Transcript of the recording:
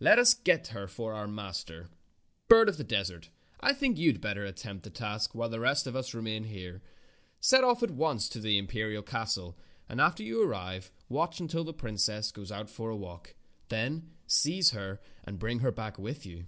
"Let us get her for our master. Bird of the Desert, I think you had better attempt the task while the rest of us remain here. Set off at once for the imperial castle, and after you arrive watch until the princess goes out for a walk. Then seize her and bring her back with you."